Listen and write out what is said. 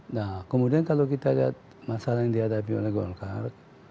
nah kemudian kalau kita lihat masalah yang dihadapi oleh golkar